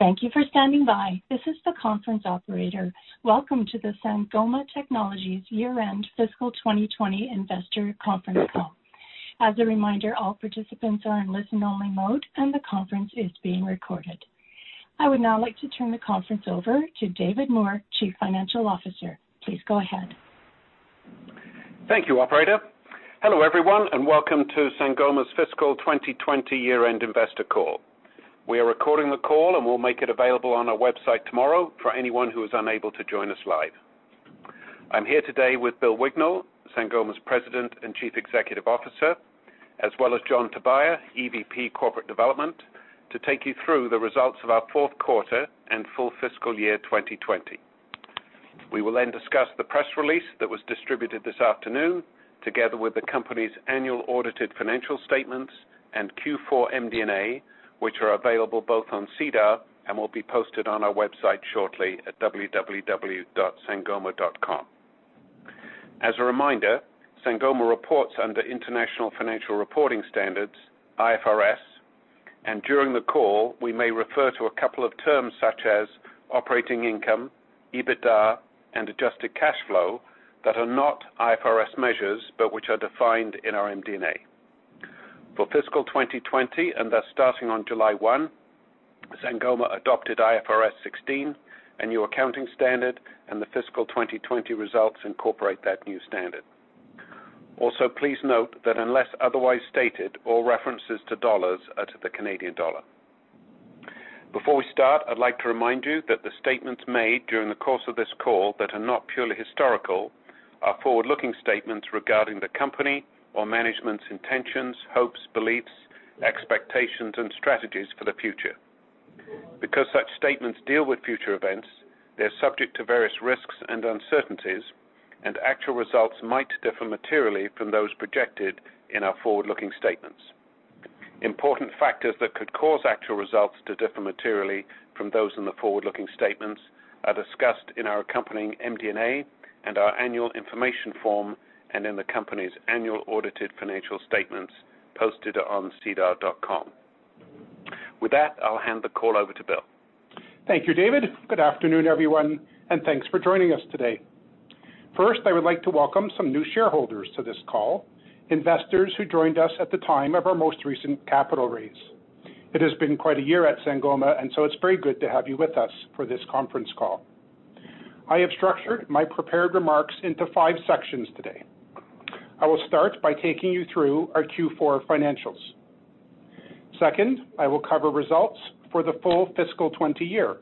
Thank you for standing by. This is the conference operator. Welcome to the Sangoma Technologies year-end fiscal 2020 investor conference call. As a reminder, all participants are in listen-only mode, and the conference is being recorded. I would now like to turn the conference over to David Moore, Chief Financial Officer. Please go ahead. Thank you, operator. Hello, everyone, welcome to Sangoma's fiscal 2020 year-end investor call. We are recording the call, and we'll make it available on our website tomorrow for anyone who is unable to join us live. I'm here today with Bill Wignall, Sangoma's President and Chief Executive Officer, as well as John Tobia, EVP Corporate Development, to take you through the results of our fourth quarter and full fiscal year 2020. We will discuss the press release that was distributed this afternoon, together with the company's annual audited financial statements and Q4 MD&A, which are available both on SEDAR and will be posted on our website shortly at www.sangoma.com. As a reminder, Sangoma reports under International Financial Reporting Standards, IFRS, and during the call, we may refer to a couple of terms such as operating income, EBITDA, and adjusted cash flow that are not IFRS measures but which are defined in our MD&A. For fiscal 2020, and thus starting on July 1, Sangoma adopted IFRS 16, a new accounting standard, and the fiscal 2020 results incorporate that new standard. Also, please note that unless otherwise stated, all references to dollars are to the Canadian dollar. Before we start, I'd like to remind you that the statements made during the course of this call that are not purely historical are forward-looking statements regarding the company or management's intentions, hopes, beliefs, expectations, and strategies for the future. Because such statements deal with future events, they're subject to various risks and uncertainties, and actual results might differ materially from those projected in our forward-looking statements. Important factors that could cause actual results to differ materially from those in the forward-looking statements are discussed in our accompanying MD&A and our annual information form, and in the company's annual audited financial statements posted on sedar.com. With that, I'll hand the call over to Bill. Thank you, David. Good afternoon, everyone, and thanks for joining us today. I would like to welcome some new shareholders to this call, investors who joined us at the time of our most recent capital raise. It has been quite a year at Sangoma, it's very good to have you with us for this conference call. I have structured my prepared remarks into five sections today. I will start by taking you through our Q4 financials. I will cover results for the full fiscal 2020 year.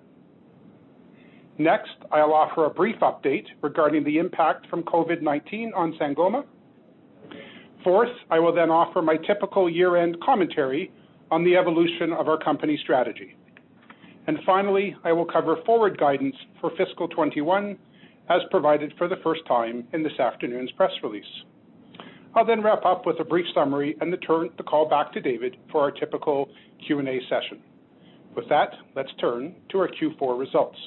I will offer a brief update regarding the impact from COVID-19 on Sangoma. I will offer my typical year-end commentary on the evolution of our company strategy. Finally, I will cover forward guidance for fiscal 2021 as provided for the first time in this afternoon's press release. I'll then wrap up with a brief summary and then turn the call back to David for our typical Q&A session. With that, let's turn to our Q4 results.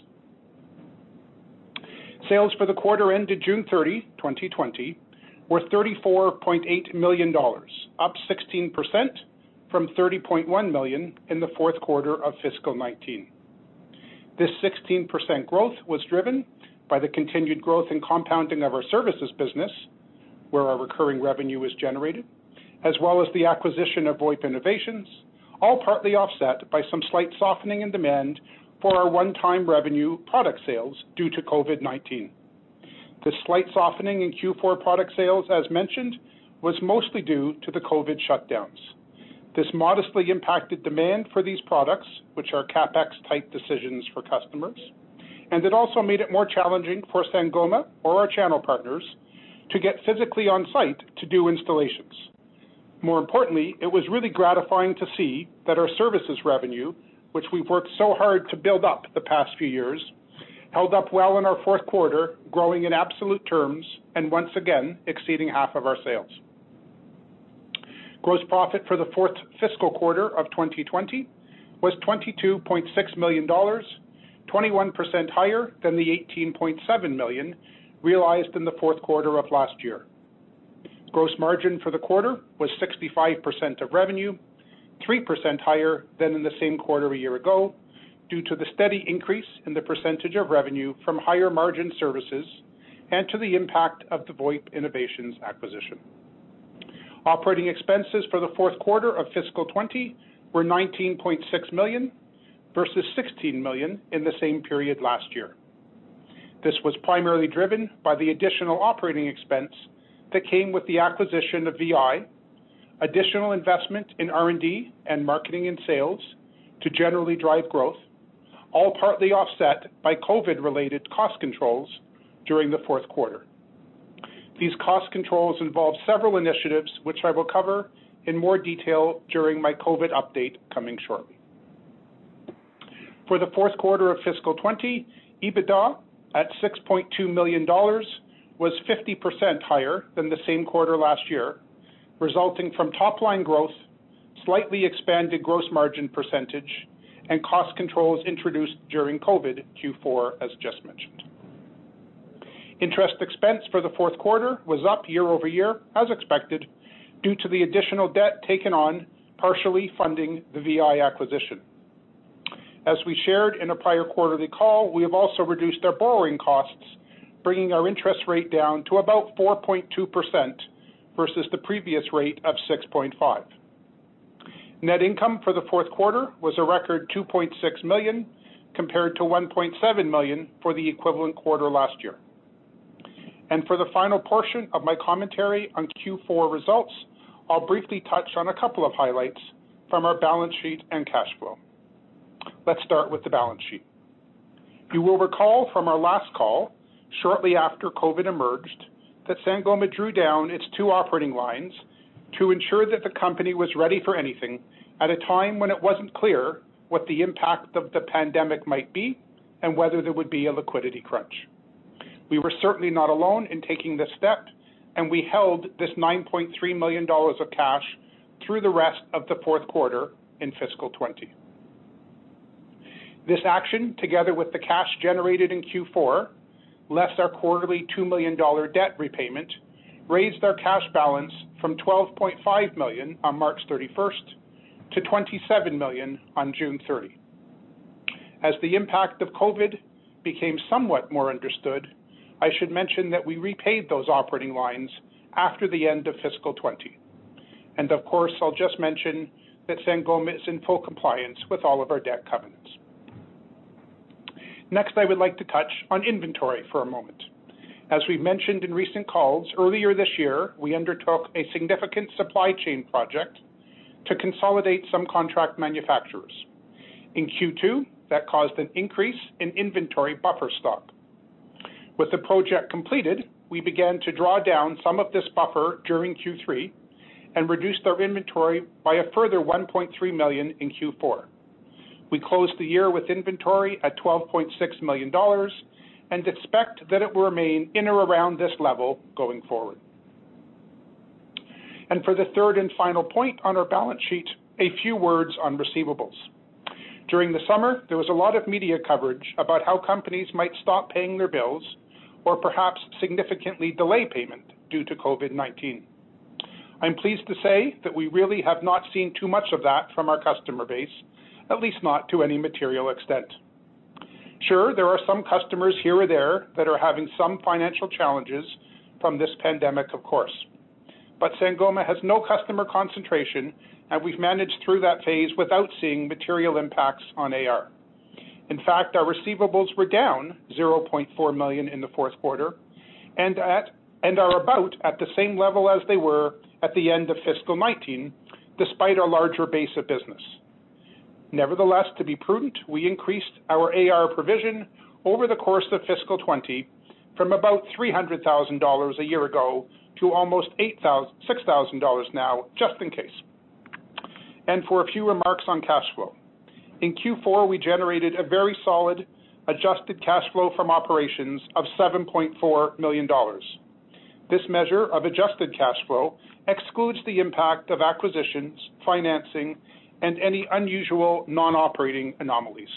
Sales for the quarter ended June 30, 2020, were 34.8 million dollars, up 16% from 30.1 million in the fourth quarter of fiscal 2019. This 16% growth was driven by the continued growth and compounding of our services business, where our recurring revenue is generated, as well as the acquisition of VoIP Innovations, all partly offset by some slight softening in demand for our one-time revenue product sales due to COVID-19. The slight softening in Q4 product sales, as mentioned, was mostly due to the COVID shutdowns. This modestly impacted demand for these products, which are CapEx-type decisions for customers, and it also made it more challenging for Sangoma or our channel partners to get physically on-site to do installations. More importantly, it was really gratifying to see that our services revenue, which we've worked so hard to build up the past few years, held up well in our fourth quarter, growing in absolute terms and once again, exceeding half of our sales. Gross profit for the fourth fiscal quarter of 2020 was 22.6 million dollars, 21% higher than the 18.7 million realized in the fourth quarter of last year. Gross margin for the quarter was 65% of revenue, 3% higher than in the same quarter a year ago due to the steady increase in the percentage of revenue from higher-margin services and to the impact of the VoIP Innovations acquisition. Operating expenses for the fourth quarter of fiscal 2020 were 19.6 million versus 16 million in the same period last year. This was primarily driven by the additional operating expense that came with the acquisition of VI, additional investment in R&D and marketing and sales to generally drive growth, all partly offset by COVID-related cost controls during the fourth quarter. These cost controls involved several initiatives, which I will cover in more detail during my COVID update coming shortly. For the fourth quarter of fiscal 2020, EBITDA at 6.2 million dollars was 50% higher than the same quarter last year, resulting from top-line growth, slightly expanded gross margin percentage, and cost controls introduced during COVID Q4, as just mentioned. Interest expense for the fourth quarter was up year-over-year, as expected, due to the additional debt taken on partially funding the VI acquisition. As we shared in a prior quarterly call, we have also reduced our borrowing costs, bringing our interest rate down to about 4.2% versus the previous rate of 6.5%. Net income for the fourth quarter was a record 2.6 million, compared to 1.7 million for the equivalent quarter last year. For the final portion of my commentary on Q4 results, I will briefly touch on a couple of highlights from our balance sheet and cash flow. Let's start with the balance sheet. You will recall from our last call, shortly after COVID emerged, that Sangoma drew down its two operating lines to ensure that the company was ready for anything at a time when it wasn't clear what the impact of the pandemic might be and whether there would be a liquidity crunch. We were certainly not alone in taking this step, and we held this 9.3 million dollars of cash through the rest of the fourth quarter in fiscal 2020. This action, together with the cash generated in Q4, less our quarterly 2 million dollar debt repayment, raised our cash balance from 12.5 million on March 31st to 27 million on June 30. As the impact of COVID became somewhat more understood, I should mention that we repaid those operating lines after the end of fiscal 2020. Of course, I'll just mention that Sangoma is in full compliance with all of our debt covenants. Next, I would like to touch on inventory for a moment. As we mentioned in recent calls, earlier this year, we undertook a significant supply chain project to consolidate some contract manufacturers. In Q2, that caused an increase in inventory buffer stock. With the project completed, we began to draw down some of this buffer during Q3 and reduced our inventory by a further 1.3 million in Q4. We closed the year with inventory at 12.6 million dollars and expect that it will remain in or around this level going forward. For the third and final point on our balance sheet, a few words on receivables. During the summer, there was a lot of media coverage about how companies might stop paying their bills or perhaps significantly delay payment due to COVID-19. I'm pleased to say that we really have not seen too much of that from our customer base, at least not to any material extent. Sure, there are some customers here or there that are having some financial challenges from this pandemic, of course. Sangoma has no customer concentration, and we've managed through that phase without seeing material impacts on AR. In fact, our receivables were down 0.4 million in the fourth quarter and are about at the same level as they were at the end of fiscal 2019, despite our larger base of business. To be prudent, we increased our AR provision over the course of fiscal 2020 from about 300,000 dollars a year ago to almost 600,000 dollars now, just in case. For a few remarks on cash flow. In Q4, we generated a very solid adjusted cash flow from operations of 7.4 million dollars. This measure of adjusted cash flow excludes the impact of acquisitions, financing, and any unusual non-operating anomalies.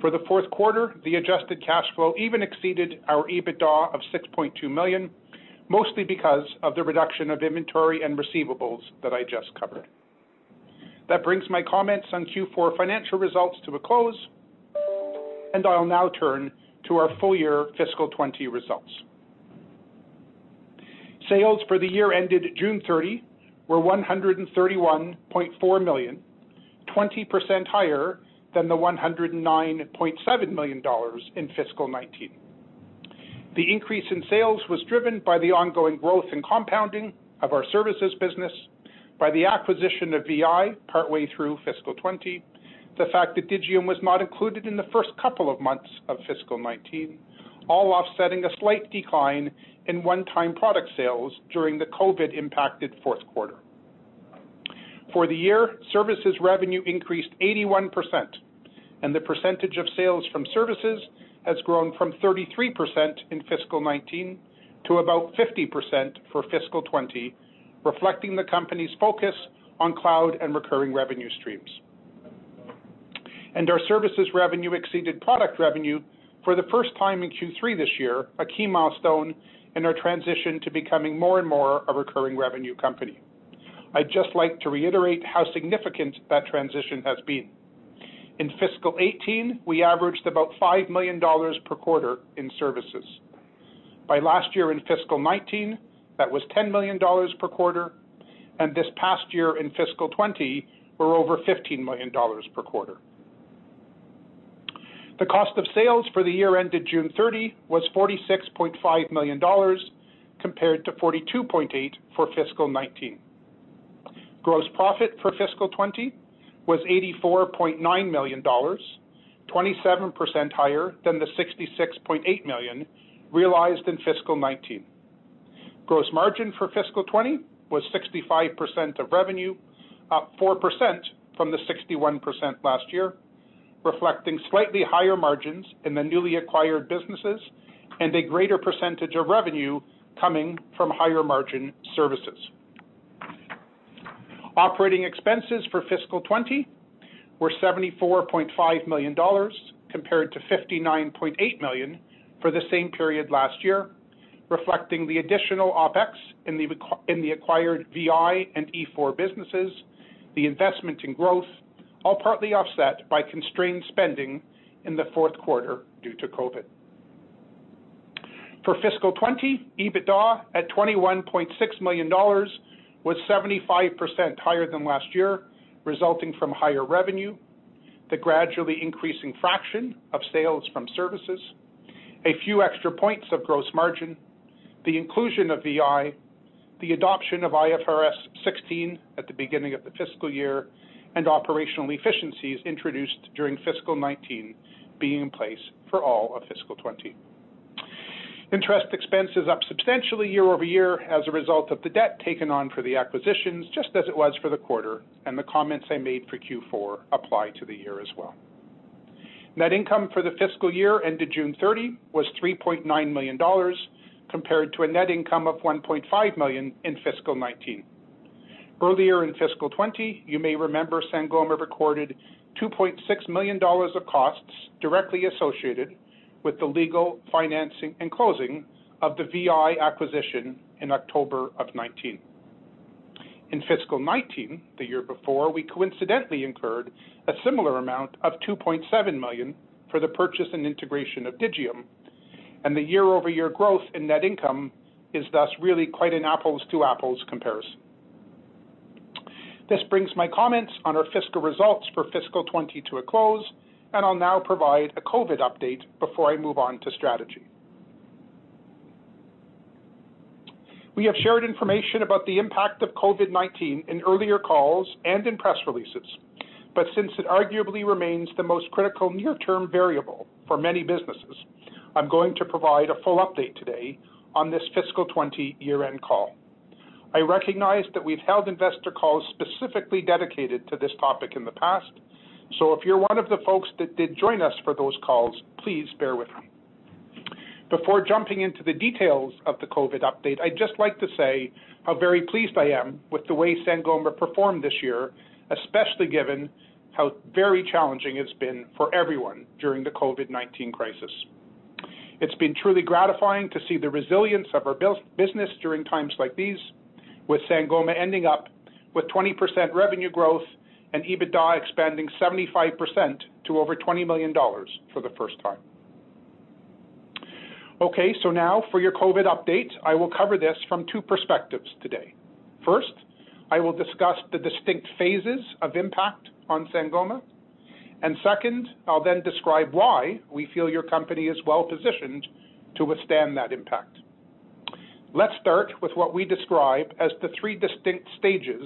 For the fourth quarter, the adjusted cash flow even exceeded our EBITDA of 6.2 million, mostly because of the reduction of inventory and receivables that I just covered. That brings my comments on Q4 financial results to a close, and I'll now turn to our full-year fiscal 2020 results. Sales for the year ended June 30 were 131.4 million, 20% higher than the 109.7 million dollars in fiscal 2019. The increase in sales was driven by the ongoing growth and compounding of our services business by the acquisition of VI partway through fiscal 2020. The fact that Digium was not included in the first couple of months of fiscal 2019, all offsetting a slight decline in one-time product sales during the COVID-impacted fourth quarter. For the year, services revenue increased 81%, and the percentage of sales from services has grown from 33% in fiscal 2019 to about 50% for fiscal 2020, reflecting the company's focus on cloud and recurring revenue streams. Our services revenue exceeded product revenue for the first time in Q3 this year, a key milestone in our transition to becoming more and more a recurring revenue company. I'd just like to reiterate how significant that transition has been. In fiscal 2018, we averaged about 5 million dollars per quarter in services. By last year in fiscal 2019, that was 10 million dollars per quarter, and this past year in fiscal 2020, we're over 15 million dollars per quarter. The cost of sales for the year ended June 30 was 46.5 million dollars, compared to 42.8 million for fiscal 2019. Gross profit for fiscal 2020 was 84.9 million dollars, 27% higher than the 66.8 million realized in fiscal 2019. Gross margin for fiscal 20 was 65% of revenue, up 4% from the 61% last year, reflecting slightly higher margins in the newly acquired businesses and a greater percentage of revenue coming from higher-margin services. Operating expenses for fiscal 20 were 74.5 million dollars compared to 59.8 million for the same period last year, reflecting the additional OpEx in the acquired VI and .e4 businesses, the investment in growth, all partly offset by constrained spending in the fourth quarter due to COVID. For fiscal 20, EBITDA at 21.6 million dollars was 75% higher than last year, resulting from higher revenue, the gradually increasing fraction of sales from services, a few extra points of gross margin, the inclusion of VI, the adoption of IFRS 16 at the beginning of the fiscal year, and operational efficiencies introduced during fiscal 19 being in place for all of fiscal 20. Interest expense is up substantially year-over-year as a result of the debt taken on for the acquisitions, just as it was for the quarter, and the comments I made for Q4 apply to the year as well. Net income for the fiscal year ended June 30 was 3.9 million dollars compared to a net income of 1.5 million in fiscal 2019. Earlier in fiscal 2020, you may remember Sangoma recorded 2.6 million dollars of costs directly associated with the legal financing and closing of the VI acquisition in October of 2019. In fiscal 2019, the year before, we coincidentally incurred a similar amount of 2.7 million for the purchase and integration of Digium, and the year-over-year growth in net income is thus really quite an apples to apples comparison. This brings my comments on our fiscal results for fiscal 20 to a close, and I'll now provide a COVID update before I move on to strategy. We have shared information about the impact of COVID-19 in earlier calls and in press releases, but since it arguably remains the most critical near-term variable for many businesses, I'm going to provide a full update today on this fiscal 20 year-end call. I recognize that we've held investor calls specifically dedicated to this topic in the past, so if you're one of the folks that did join us for those calls, please bear with me. Before jumping into the details of the COVID update, I'd just like to say how very pleased I am with the way Sangoma performed this year, especially given how very challenging it's been for everyone during the COVID-19 crisis. It's been truly gratifying to see the resilience of our business during times like these, with Sangoma ending up with 20% revenue growth and EBITDA expanding 75% to over 20 million dollars for the first time. Okay, now for your COVID update. I will cover this from two perspectives today. First, I will discuss the distinct phases of impact on Sangoma, second, I'll describe why we feel your company is well-positioned to withstand that impact. Let's start with what we describe as the three distinct stages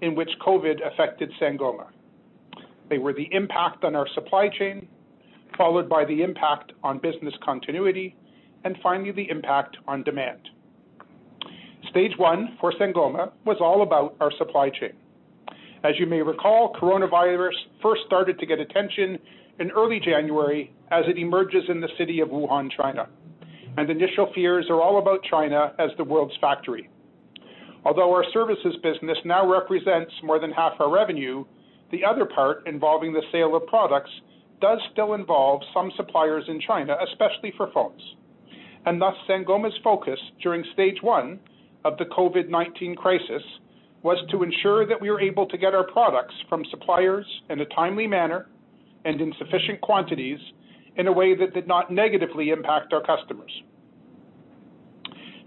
in which COVID affected Sangoma. They were the impact on our supply chain, followed by the impact on business continuity, finally, the impact on demand. Stage one for Sangoma was all about our supply chain. As you may recall, coronavirus first started to get attention in early January as it emerges in the city of Wuhan, China. Initial fears are all about China as the world's factory. Although our services business now represents more than half our revenue, the other part involving the sale of products does still involve some suppliers in China, especially for phones. Thus, Sangoma's focus during stage one of the COVID-19 crisis was to ensure that we were able to get our products from suppliers in a timely manner and in sufficient quantities in a way that did not negatively impact our customers.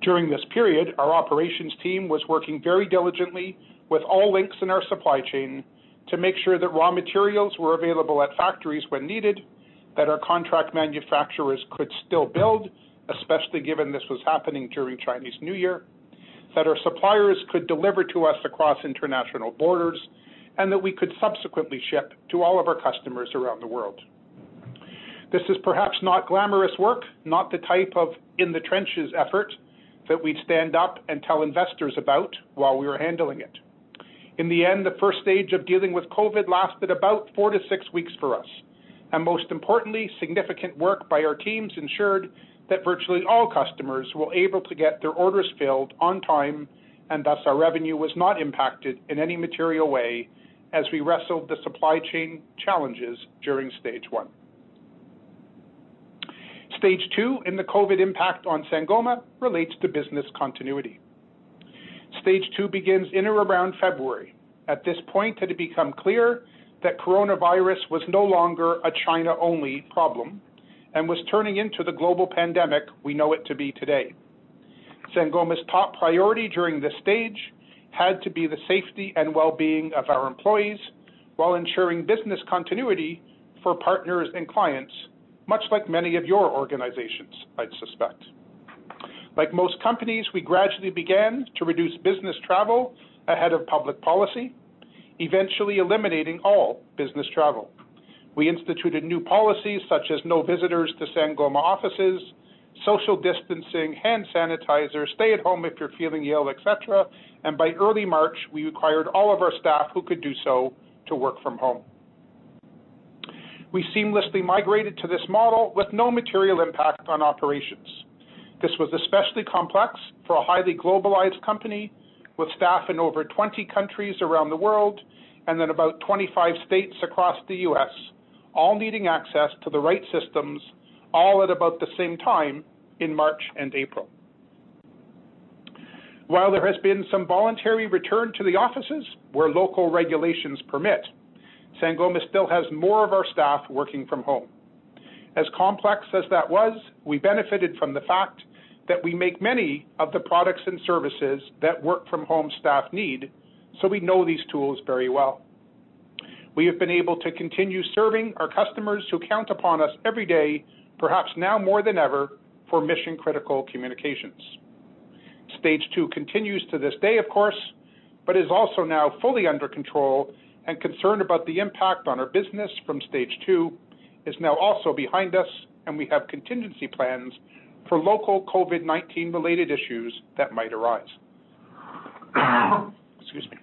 During this period, our operations team was working very diligently with all links in our supply chain to make sure that raw materials were available at factories when needed, that our contract manufacturers could still build, especially given this was happening during Chinese New Year, that our suppliers could deliver to us across international borders, and that we could subsequently ship to all of our customers around the world. This is perhaps not glamorous work, not the type of in-the-trenches effort that we'd stand up and tell investors about while we were handling it. In the end, the first stage of dealing with COVID lasted about four to six weeks for us, and most importantly, significant work by our teams ensured that virtually all customers were able to get their orders filled on time, and thus our revenue was not impacted in any material way as we wrestled the supply chain challenges during stage one. Stage two in the COVID impact on Sangoma relates to business continuity. Stage two begins in or around February. At this point, had it become clear that coronavirus was no longer a China-only problem and was turning into the global pandemic we know it to be today. Sangoma's top priority during this stage had to be the safety and well-being of our employees while ensuring business continuity for partners and clients, much like many of your organizations, I'd suspect. Like most companies, we gradually began to reduce business travel ahead of public policy, eventually eliminating all business travel. We instituted new policies such as no visitors to Sangoma offices, social distancing, hand sanitizer, stay at home if you're feeling ill, et cetera, and by early March, we required all of our staff who could do so to work from home. We seamlessly migrated to this model with no material impact on operations. This was especially complex for a highly globalized company with staff in over 20 countries around the world, and in about 25 states across the U.S., all needing access to the right systems, all at about the same time in March and April. While there has been some voluntary return to the offices where local regulations permit, Sangoma still has more of our staff working from home. As complex as that was, we benefited from the fact that we make many of the products and services that work from home staff need, so we know these tools very well. We have been able to continue serving our customers who count upon us every day, perhaps now more than ever, for mission-critical communications. Stage two continues to this day, of course, but is also now fully under control, and concern about the impact on our business from stage two is now also behind us, and we have contingency plans for local COVID-19 related issues that might arise. Excuse me.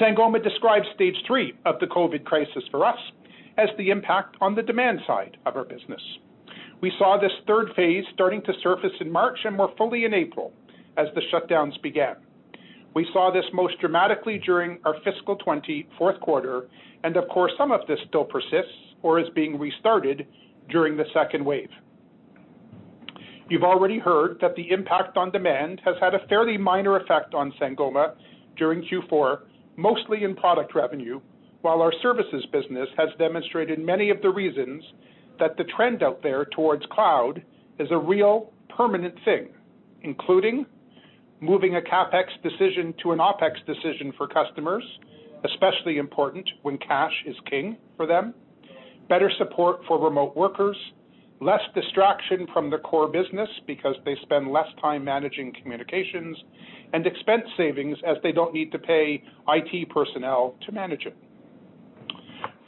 Sangoma describes stage three of the COVID crisis for us as the impact on the demand side of our business. We saw this third phase starting to surface in March and more fully in April as the shutdowns began. We saw this most dramatically during our fiscal 2020 fourth quarter, and of course, some of this still persists or is being restarted during the second wave. You've already heard that the impact on demand has had a fairly minor effect on Sangoma during Q4, mostly in product revenue, while our services business has demonstrated many of the reasons that the trend out there towards cloud is a real permanent thing, including moving a CapEx decision to an OpEx decision for customers, especially important when cash is king for them, better support for remote workers, less distraction from the core business because they spend less time managing communications, and expense savings as they don't need to pay IT personnel to manage it.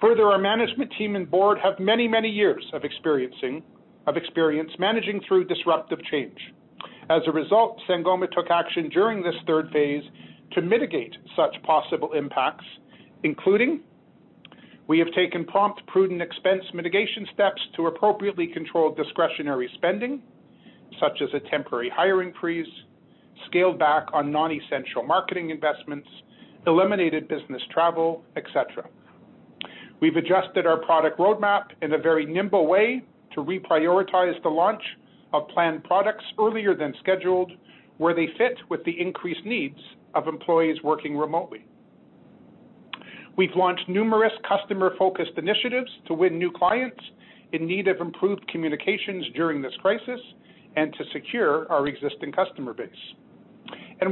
Further, our management team and board have many years of experience managing through disruptive change. As a result, Sangoma took action during this third phase to mitigate such possible impacts, including we have taken prompt, prudent expense mitigation steps to appropriately control discretionary spending, such as a temporary hiring freeze, scaled back on non-essential marketing investments, eliminated business travel, et cetera. We've adjusted our product roadmap in a very nimble way to reprioritize the launch of planned products earlier than scheduled, where they fit with the increased needs of employees working remotely. We've launched numerous customer-focused initiatives to win new clients in need of improved communications during this crisis and to secure our existing customer base.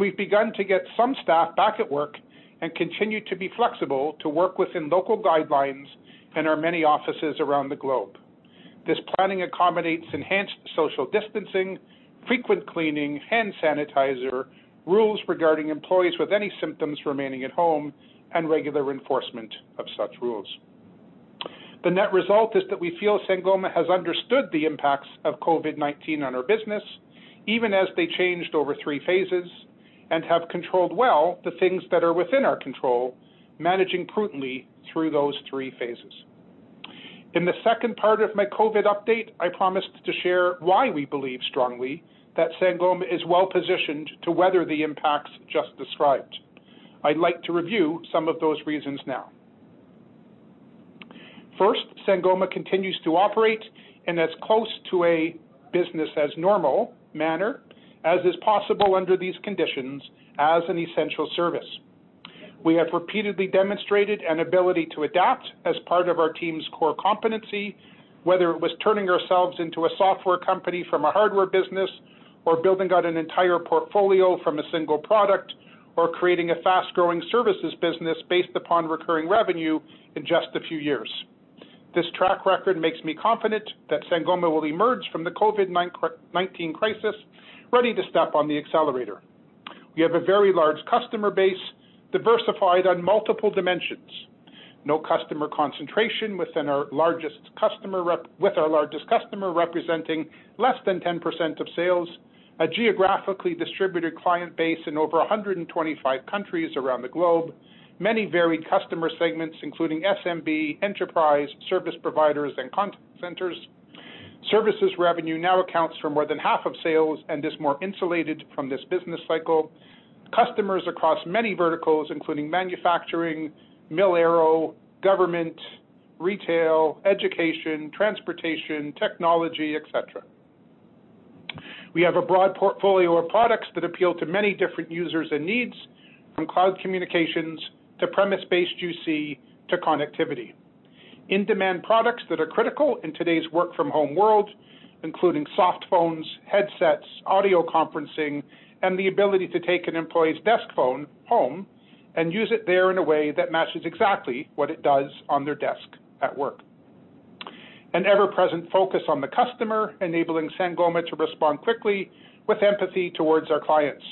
We've begun to get some staff back at work and continue to be flexible to work within local guidelines in our many offices around the globe. This planning accommodates enhanced social distancing, frequent cleaning, hand sanitizer, rules regarding employees with any symptoms remaining at home, and regular enforcement of such rules. The net result is that we feel Sangoma has understood the impacts of COVID-19 on our business, even as they changed over three phases, and have controlled well the things that are within our control, managing prudently through those three phases. In the second part of my COVID update, I promised to share why we believe strongly that Sangoma is well-positioned to weather the impacts just described. I'd like to review some of those reasons now. First, Sangoma continues to operate in as close to a business-as-normal manner as is possible under these conditions as an essential service. We have repeatedly demonstrated an ability to adapt as part of our team's core competency, whether it was turning ourselves into a software company from a hardware business, or building out an entire portfolio from a single product, or creating a fast-growing services business based upon recurring revenue in just a few years. This track record makes me confident that Sangoma will emerge from the COVID-19 crisis ready to step on the accelerator. We have a very large customer base diversified on multiple dimensions. No customer concentration with our largest customer representing less than 10% of sales, a geographically distributed client base in over 125 countries around the globe. Many varied customer segments, including SMB, enterprise, service providers, and contact centers. Services revenue now accounts for more than half of sales and is more insulated from this business cycle. Customers across many verticals, including manufacturing, mil-aero, government, retail, education, transportation, technology, et cetera. We have a broad portfolio of products that appeal to many different users and needs, from cloud communications to premise-based UC to connectivity. In-demand products that are critical in today's work from home world, including soft phones, headsets, audio conferencing, and the ability to take an employee's desk phone home and use it there in a way that matches exactly what it does on their desk at work. An ever-present focus on the customer, enabling Sangoma to respond quickly with empathy towards our clients.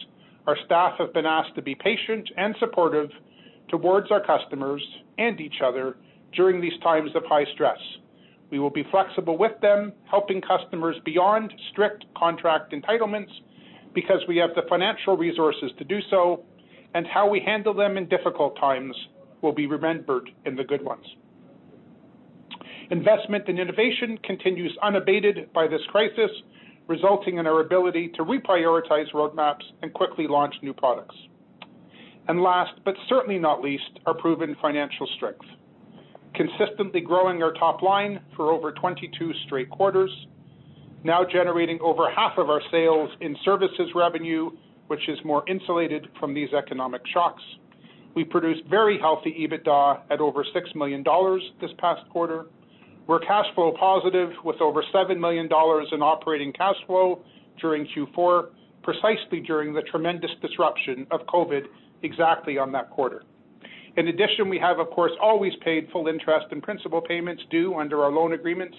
Our staff have been asked to be patient and supportive towards our customers and each other during these times of high stress. We will be flexible with them, helping customers beyond strict contract entitlements. Because we have the financial resources to do so, and how we handle them in difficult times will be remembered in the good ones. Investment in innovation continues unabated by this crisis, resulting in our ability to reprioritize roadmaps and quickly launch new products. Last, but certainly not least, our proven financial strength. Consistently growing our top line for over 22 straight quarters, now generating over half of our sales in services revenue, which is more insulated from these economic shocks. We produced very healthy EBITDA at over 6 million dollars this past quarter. We're cash flow positive with over 7 million dollars in operating cash flow during Q4, precisely during the tremendous disruption of COVID exactly on that quarter. In addition, we have, of course, always paid full interest and principal payments due under our loan agreements,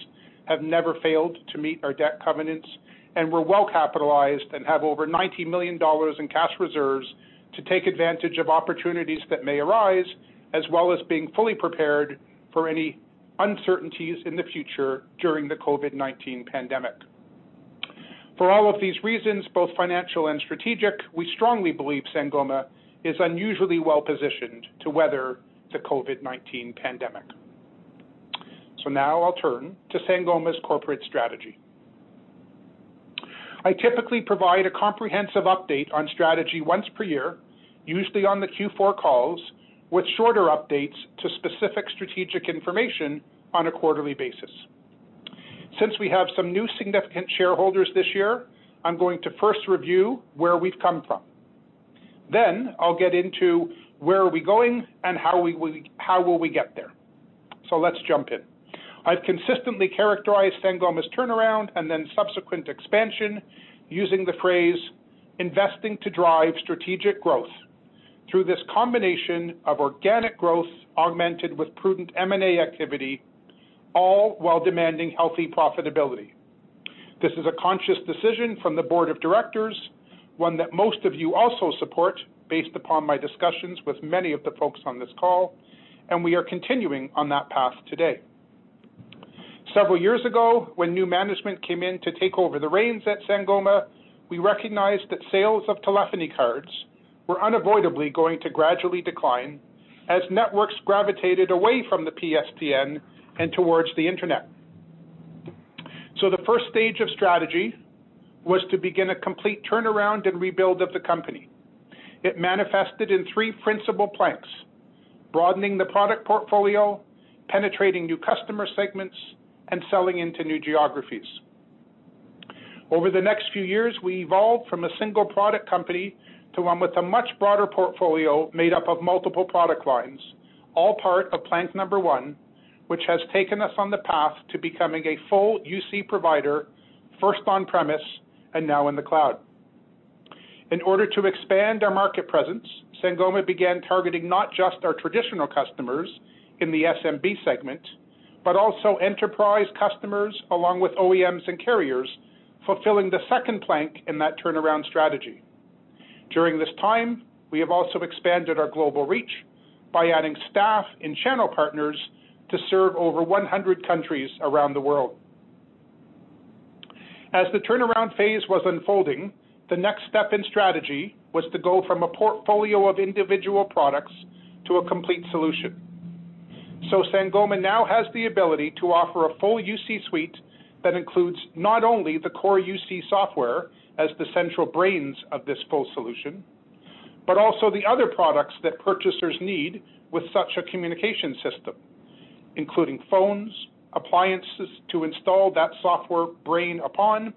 have never failed to meet our debt covenants, and we're well capitalized and have over 90 million dollars in cash reserves to take advantage of opportunities that may arise, as well as being fully prepared for any uncertainties in the future during the COVID-19 pandemic. For all of these reasons, both financial and strategic, we strongly believe Sangoma is unusually well-positioned to weather the COVID-19 pandemic. Now I'll turn to Sangoma's corporate strategy. I typically provide a comprehensive update on strategy once per year, usually on the Q4 calls, with shorter updates to specific strategic information on a quarterly basis. Since we have some new significant shareholders this year, I'm going to first review where we've come from. I'll get into where are we going and how will we get there. Let's jump in. I've consistently characterized Sangoma's turnaround and then subsequent expansion using the phrase, "Investing to drive strategic growth through this combination of organic growth augmented with prudent M&A activity, all while demanding healthy profitability." This is a conscious decision from the board of directors, one that most of you also support, based upon my discussions with many of the folks on this call. We are continuing on that path today. Several years ago, when new management came in to take over the reins at Sangoma, we recognized that sales of telephony cards were unavoidably going to gradually decline as networks gravitated away from the PSTN and towards the internet. The first stage of strategy was to begin a complete turnaround and rebuild of the company. It manifested in three principal planks, broadening the product portfolio, penetrating new customer segments, and selling into new geographies. Over the next few years, we evolved from a single product company to one with a much broader portfolio made up of multiple product lines, all part of plank number one, which has taken us on the path to becoming a full UC provider, first on premise and now in the cloud. In order to expand our market presence, Sangoma began targeting not just our traditional customers in the SMB segment, but also enterprise customers along with OEMs and carriers, fulfilling the second plank in that turnaround strategy. During this time, we have also expanded our global reach by adding staff and channel partners to serve over 100 countries around the world. As the turnaround phase was unfolding, the next step in strategy was to go from a portfolio of individual products to a complete solution. Sangoma now has the ability to offer a full UC suite that includes not only the core UC software as the central brains of this full solution, but also the other products that purchasers need with such a communication system, including phones, appliances to install that software brain upon,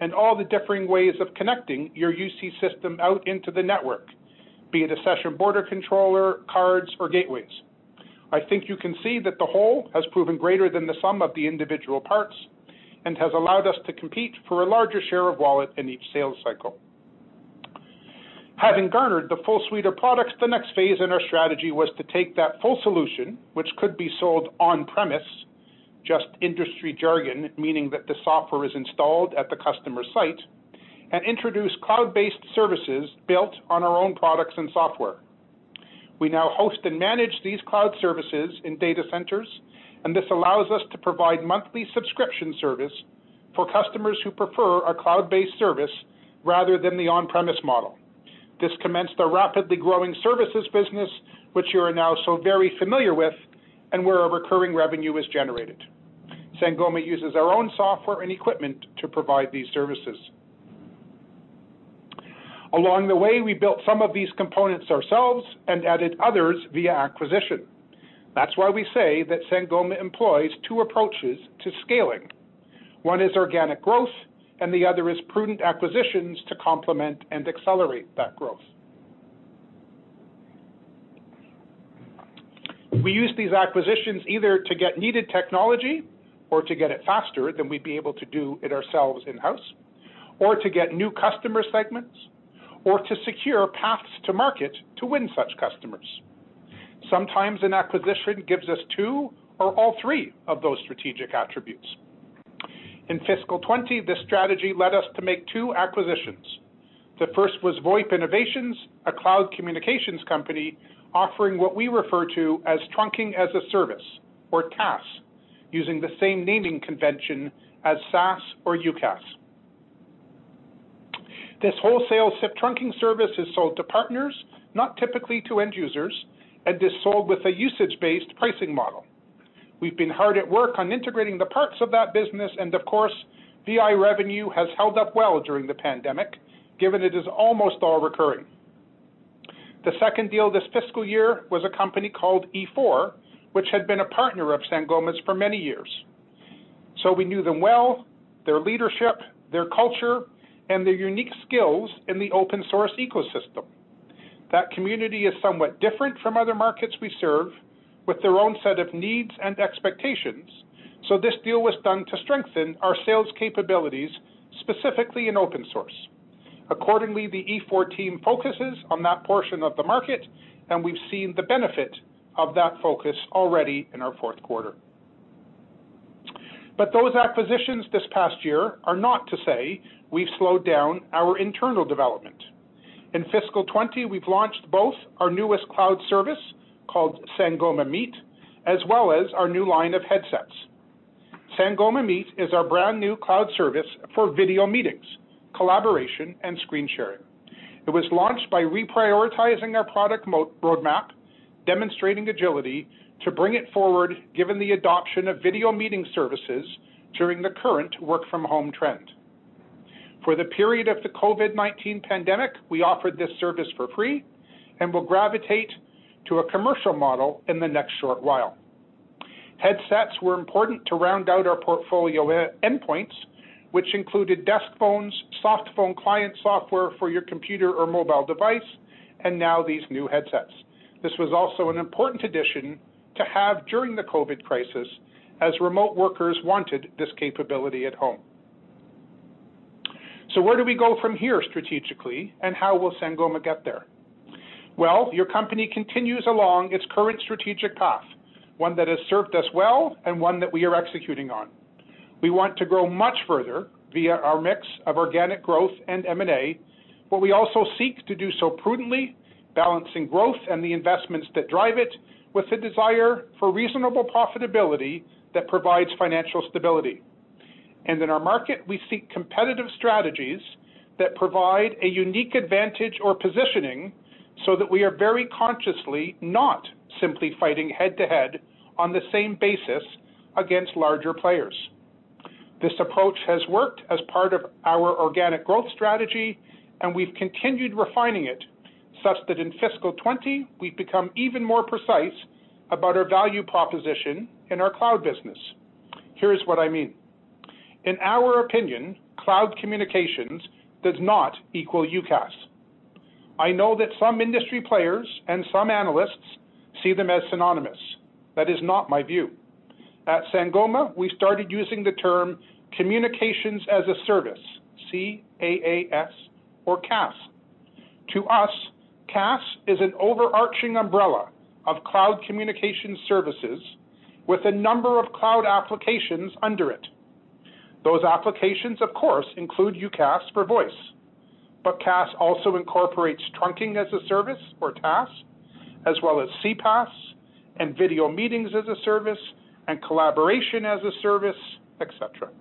and all the differing ways of connecting your UC system out into the network, be it a session border controller, cards, or gateways. I think you can see that the whole has proven greater than the sum of the individual parts and has allowed us to compete for a larger share of wallet in each sales cycle. Having garnered the full suite of products, the next phase in our strategy was to take that full solution, which could be sold on premise, just industry jargon, meaning that the software is installed at the customer site, and introduce cloud-based services built on our own products and software. We now host and manage these cloud services in data centers. This allows us to provide monthly subscription service for customers who prefer our cloud-based service rather than the on-premise model. This commenced a rapidly growing services business, which you are now so very familiar with. Where our recurring revenue is generated, Sangoma uses our own software and equipment to provide these services. Along the way, we built some of these components ourselves and added others via acquisition. That's why we say that Sangoma employs two approaches to scaling. One is organic growth, and the other is prudent acquisitions to complement and accelerate that growth. We use these acquisitions either to get needed technology or to get it faster than we'd be able to do it ourselves in-house, or to get new customer segments, or to secure paths to market to win such customers. Sometimes an acquisition gives us two or all three of those strategic attributes. In fiscal 2020, this strategy led us to make two acquisitions. The first was VoIP Innovations, a cloud communications company offering what we refer to as trunking-as-a-service, or TaaS, using the same naming convention as SaaS or UCaaS. This wholesale SIP trunking service is sold to partners, not typically to end users, and is sold with a usage-based pricing model. We've been hard at work on integrating the parts of that business, and of course, VI revenue has held up well during the pandemic, given it is almost all recurring. The second deal this fiscal year was a company called .e4, which had been a partner of Sangoma's for many years. We knew them well, their leadership, their culture, and their unique skills in the open source ecosystem. That community is somewhat different from other markets we serve, with their own set of needs and expectations, so this deal was done to strengthen our sales capabilities, specifically in open source. Accordingly, the .e4 team focuses on that portion of the market, and we've seen the benefit of that focus already in our fourth quarter. Those acquisitions this past year are not to say we've slowed down our internal development. In fiscal 2020, we've launched both our newest cloud service, called Sangoma Meet, as well as our new line of headsets. Sangoma Meet is our brand-new cloud service for video meetings, collaboration, and screen sharing. It was launched by reprioritizing our product roadmap, demonstrating agility to bring it forward given the adoption of video meeting services during the current work from home trend. For the period of the COVID-19 pandemic, we offered this service for free, and will gravitate to a commercial model in the next short while. Headsets were important to round out our portfolio endpoints, which included desk phones, soft phone client software for your computer or mobile device, and now these new headsets. This was also an important addition to have during the COVID crisis, as remote workers wanted this capability at home. Where do we go from here strategically, and how will Sangoma get there? Your company continues along its current strategic path, one that has served us well and one that we are executing on. We want to grow much further via our mix of organic growth and M&A, but we also seek to do so prudently, balancing growth and the investments that drive it with the desire for reasonable profitability that provides financial stability. In our market, we seek competitive strategies that provide a unique advantage or positioning so that we are very consciously not simply fighting head to head on the same basis against larger players. This approach has worked as part of our organic growth strategy, and we've continued refining it such that in fiscal 2020, we've become even more precise about our value proposition in our cloud business. Here's what I mean. In our opinion, cloud communications does not equal UCaaS. I know that some industry players and some analysts see them as synonymous. That is not my view. At Sangoma, we started using the term communications as a service, C-A-A-S or CaaS. To us, CaaS is an overarching umbrella of cloud communication services with a number of cloud applications under it. Those applications, of course, include UCaaS for voice. CaaS also incorporates trunking as a service or TaaS, as well as CPaaS and video meetings as a service, and collaboration as a service, et cetera.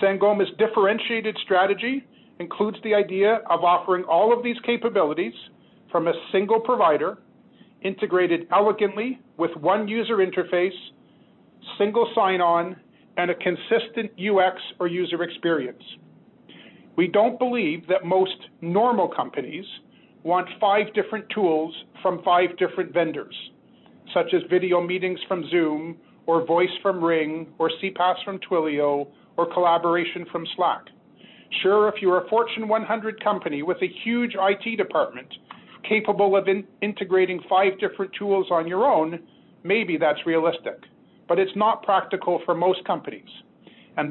Sangoma's differentiated strategy includes the idea of offering all of these capabilities from a single provider, integrated elegantly with one user interface, single sign-on, and a consistent UX or user experience. We don't believe that most normal companies want five different tools from five different vendors, such as video meetings from Zoom or Voice from RingCentral or CPaaS from Twilio or Collaboration from Slack. Sure, if you're a Fortune 100 company with a huge IT department capable of integrating five different tools on your own, maybe that's realistic, but it's not practical for most companies.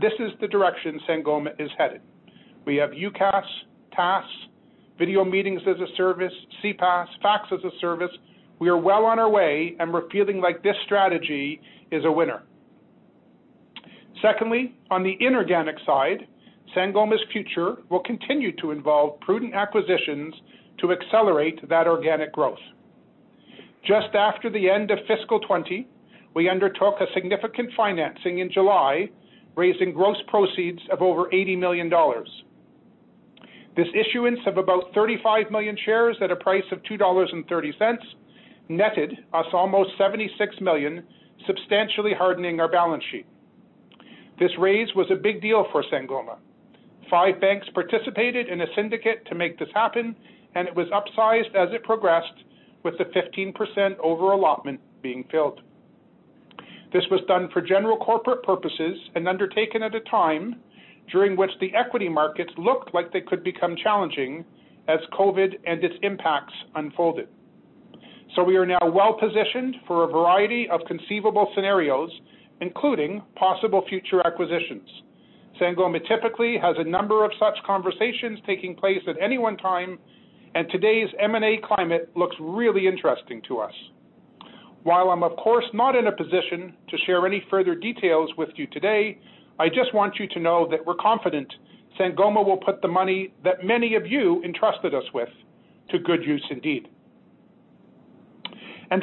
This is the direction Sangoma is headed. We have UCaaS, TaaS, video meetings as a service, CPaaS, fax as a service. We are well on our way, and we're feeling like this strategy is a winner. Secondly, on the inorganic side, Sangoma's future will continue to involve prudent acquisitions to accelerate that organic growth. Just after the end of fiscal 2020, we undertook a significant financing in July, raising gross proceeds of over 80 million dollars. This issuance of about 35 million shares at a price of 2.30 dollars netted us almost 76 million, substantially hardening our balance sheet. This raise was a big deal for Sangoma. Five banks participated in a syndicate to make this happen, and it was upsized as it progressed with the 15% over-allotment being filled. This was done for general corporate purposes and undertaken at a time during which the equity markets looked like they could become challenging as COVID and its impacts unfolded. We are now well-positioned for a variety of conceivable scenarios, including possible future acquisitions. Sangoma typically has a number of such conversations taking place at any one time, and today's M&A climate looks really interesting to us. While I'm of course not in a position to share any further details with you today, I just want you to know that we're confident Sangoma will put the money that many of you entrusted us with to good use indeed.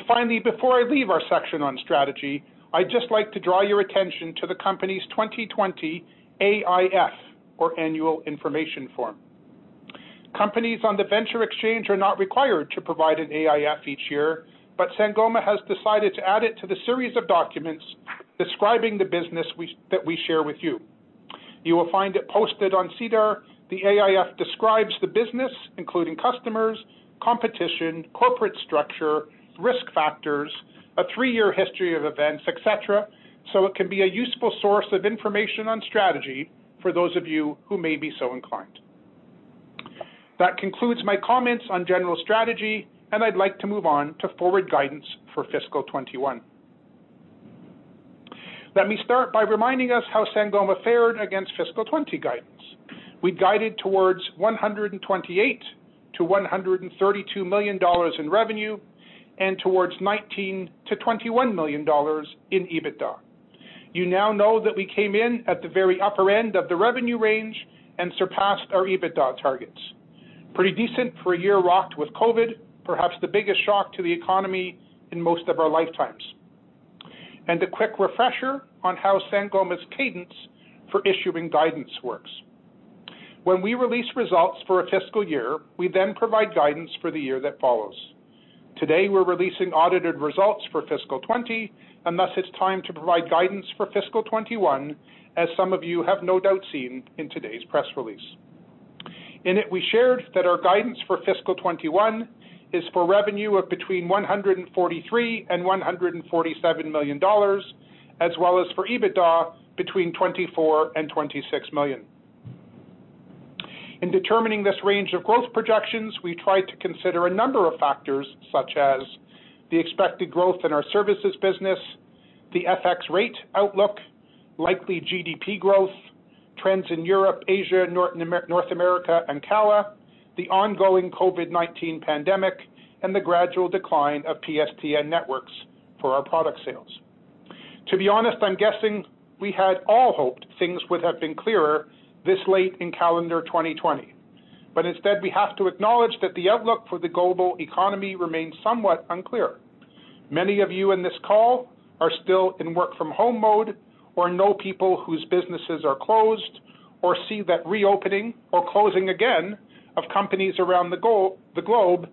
Finally, before I leave our section on strategy, I'd just like to draw your attention to the company's 2020 AIF, or Annual Information Form. Companies on the Venture Exchange are not required to provide an AIF each year, Sangoma has decided to add it to the series of documents describing the business that we share with you. You will find it posted on SEDAR. The AIF describes the business, including customers, competition, corporate structure, risk factors, a three-year history of events, et cetera, so it can be a useful source of information on strategy for those of you who may be so inclined. That concludes my comments on general strategy. I'd like to move on to forward guidance for fiscal 2021. Let me start by reminding us how Sangoma fared against fiscal 2020 guidance. We guided towards 128 million to 132 million dollars in revenue, and towards 19 million to 21 million dollars in EBITDA. You now know that we came in at the very upper end of the revenue range and surpassed our EBITDA targets. Pretty decent for a year rocked with COVID, perhaps the biggest shock to the economy in most of our lifetimes. A quick refresher on how Sangoma's cadence for issuing guidance works. When we release results for a fiscal year, we then provide guidance for the year that follows. Today, we're releasing audited results for fiscal 2020, and thus it's time to provide guidance for fiscal 2021, as some of you have no doubt seen in today's press release. In it, we shared that our guidance for fiscal 2021 is for revenue of between 143 million and 147 million dollars, as well as for EBITDA between 24 million and 26 million. In determining this range of growth projections, we tried to consider a number of factors, such as the expected growth in our services business, the FX rate outlook, likely GDP growth, trends in Europe, Asia, North America, and CALA, the ongoing COVID-19 pandemic, and the gradual decline of PSTN networks for our product sales. To be honest, I'm guessing we had all hoped things would have been clearer this late in calendar 2020. Instead, we have to acknowledge that the outlook for the global economy remains somewhat unclear. Many of you on this call are still in work-from-home mode or know people whose businesses are closed or see that reopening or closing again of companies around the globe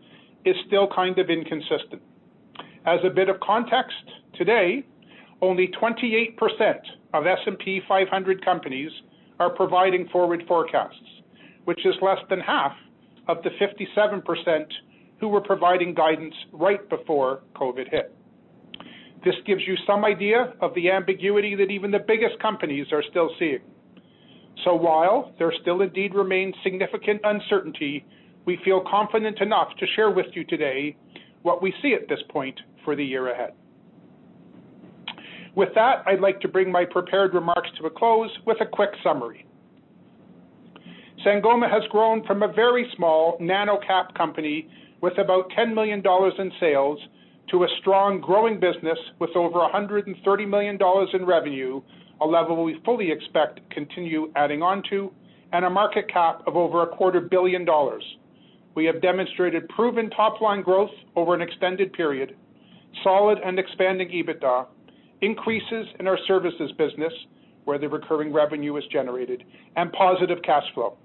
is still kind of inconsistent. As a bit of context, today, only 28% of S&P 500 companies are providing forward forecasts, which is less than half of the 57% who were providing guidance right before COVID hit. This gives you some idea of the ambiguity that even the biggest companies are still seeing. While there still indeed remains significant uncertainty, we feel confident enough to share with you today what we see at this point for the year ahead. With that, I'd like to bring my prepared remarks to a close with a quick summary. Sangoma has grown from a very small nano-cap company with about 10 million dollars in sales to a strong, growing business with over 130 million dollars in revenue, a level we fully expect to continue adding on to, and a market cap of over a quarter billion CAD. We have demonstrated proven top-line growth over an extended period, solid and expanding EBITDA, increases in our services business, where the recurring revenue is generated, and positive cash flow.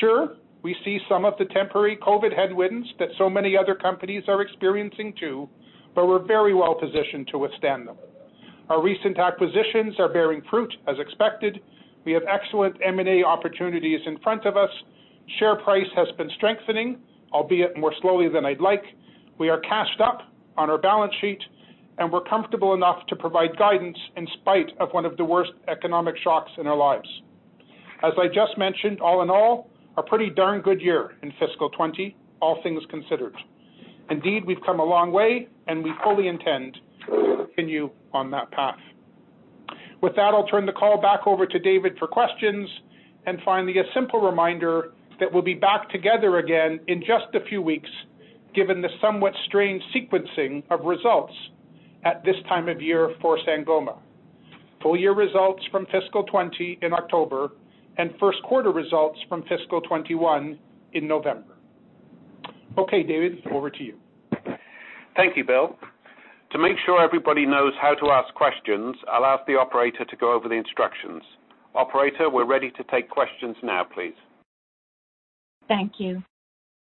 Sure, we see some of the temporary COVID headwinds that so many other companies are experiencing, too. We're very well positioned to withstand them. Our recent acquisitions are bearing fruit as expected. We have excellent M&A opportunities in front of us. Share price has been strengthening, albeit more slowly than I'd like. We are cashed up on our balance sheet, and we're comfortable enough to provide guidance in spite of one of the worst economic shocks in our lives. As I just mentioned, all in all, a pretty darn good year in fiscal 2020, all things considered. Indeed, we've come a long way, and we fully intend to continue on that path. With that, I'll turn the call back over to David for questions, and finally, a simple reminder that we'll be back together again in just a few weeks, given the somewhat strange sequencing of results at this time of year for Sangoma. Full-year results from fiscal 2020 in October and first-quarter results from fiscal 2021 in November. Okay, David, over to you. Thank you, Bill. To make sure everybody knows how to ask questions, I'll ask the operator to go over the instructions. Operator, we're ready to take questions now, please. Thank you.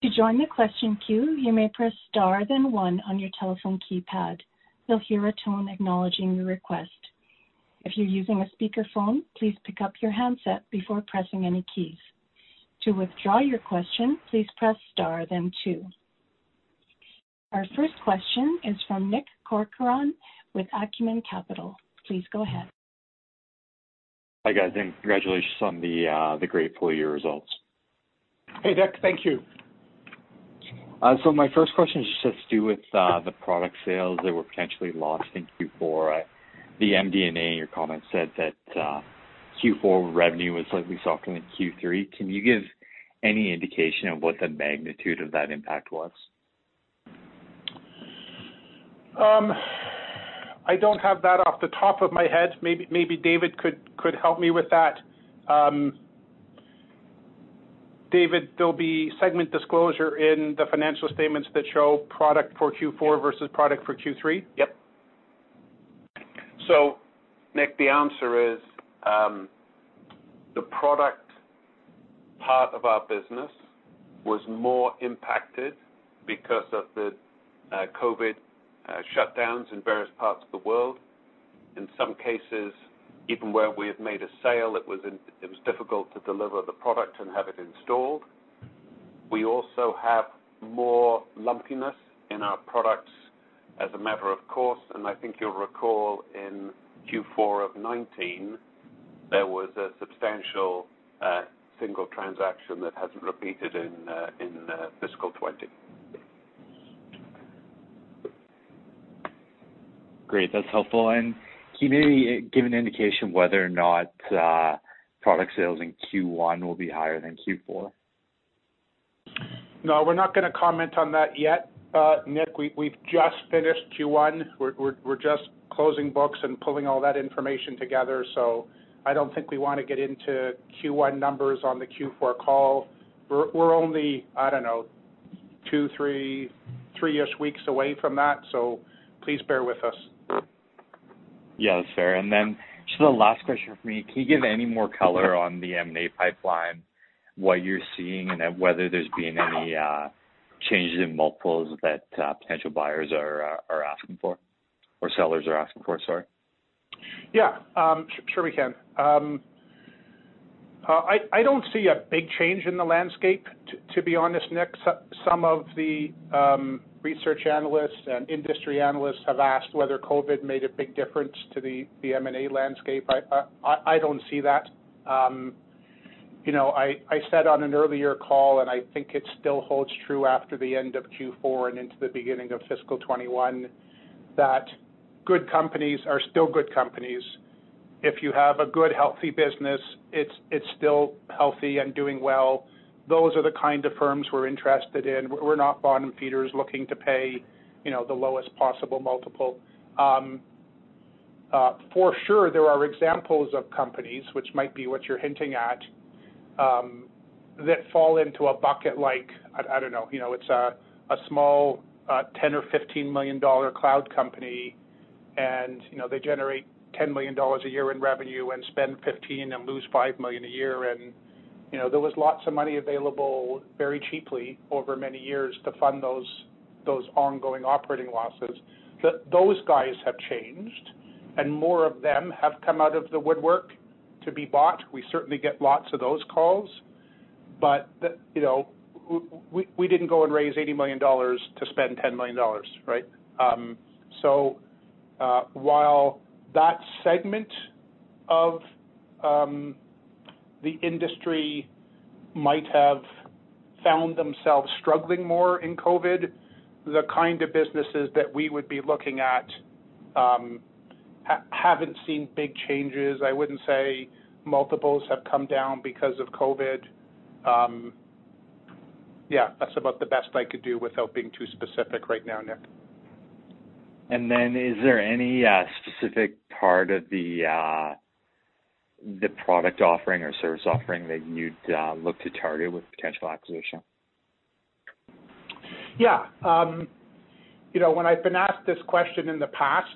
To join the question queue, you may press star then one on your telephone keypad. You'll hear a tone acknowledging your request. If you're using a speakerphone, please pick up your handset before pressing any keys. To withdraw your question, please press star then two. Our first question is from Nick Corcoran with Acumen Capital. Please go ahead. Hi guys, and congratulations on the great full year as well. Hey, Nick. Thank you. My first question is just to do with the product sales that were potentially lost in Q4. The MD&A in your comments said that Q4 revenue was slightly softer than Q3. Can you give any indication of what the magnitude of that impact was? I don't have that off the top of my head. Maybe David could help me with that. David, there'll be segment disclosure in the financial statements that show product for Q4 versus product for Q3? Yep. Nick, the answer is, the product part of our business was more impacted because of the COVID shutdowns in various parts of the world. In some cases, even where we have made a sale, it was difficult to deliver the product and have it installed. We also have more lumpiness in our products as a matter of course, and I think you'll recall in Q4 of 2019, there was a substantial single transaction that hasn't repeated in fiscal 2020. Great. That's helpful. Can you maybe give an indication whether or not product sales in Q1 will be higher than Q4? No, we're not going to comment on that yet, Nick. We've just finished Q1. We're just closing books and pulling all that information together. I don't think we want to get into Q1 numbers on the Q4 call. We're only, I don't know, two, three-ish weeks away from that, so please bear with us. Yeah, that's fair. Just the last question from me. Can you give any more color on the M&A pipeline, what you're seeing, and then whether there's been any changes in multiples that potential buyers are asking for, or sellers are asking for? Sorry. Yeah. Sure we can. I don't see a big change in the landscape, to be honest, Nick. Some of the research analysts and industry analysts have asked whether COVID made a big difference to the M&A landscape. I don't see that. I said on an earlier call, and I think it still holds true after the end of Q4 and into the beginning of fiscal 2021, that good companies are still good companies. If you have a good, healthy business, it's still healthy and doing well. Those are the kind of firms we're interested in. We're not bottom-feeders looking to pay the lowest possible multiple. For sure, there are examples of companies, which might be what you're hinting at, that fall into a bucket like, I don't know, it's a small 10 million or 15 million dollar cloud company, and they generate 10 million dollars a year in revenue and spend 15 and lose 5 million a year. There was lots of money available very cheaply over many years to fund those ongoing operating losses. Those guys have changed. More of them have come out of the woodwork to be bought. We certainly get lots of those calls. We didn't go and raise 80 million dollars to spend 10 million dollars, right? While that segment of the industry might have found themselves struggling more in COVID, the kind of businesses that we would be looking at haven't seen big changes. I wouldn't say multiples have come down because of COVID. Yeah, that's about the best I could do without being too specific right now, Nick. Is there any specific part of the product offering or service offering that you'd look to target with potential acquisition? Yeah. When I've been asked this question in the past,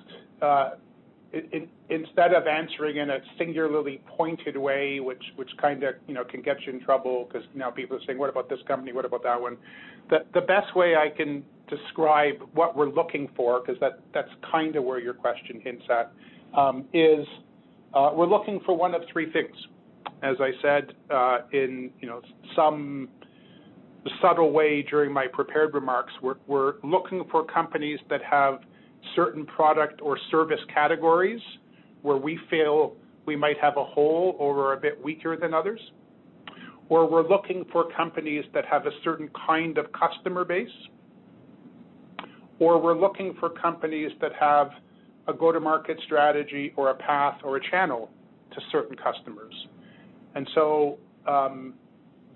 instead of answering in a singularly pointed way, which can get you in trouble because now people are saying, "What about this company? What about that one?" The best way I can describe what we're looking for, because that's where your question hints at, is we're looking for one of three things. As I said in some subtle way during my prepared remarks, we're looking for companies that have certain product or service categories where we feel we might have a hole or are a bit weaker than others, or we're looking for companies that have a certain kind of customer base, or we're looking for companies that have a go-to-market strategy or a path or a channel to certain customers.